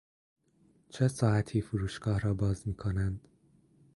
چه ساعتی فروشگاه را باز میکنند؟